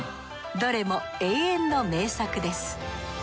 どれも永遠の名作です。